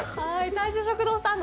大衆食堂スタンド